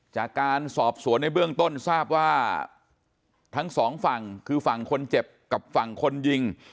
จากการสอบสวนในเบื้องต้นทราบว่าทั้งสองฝั่งคือฝั่งคนเจ็บกับฝั่งคนยิง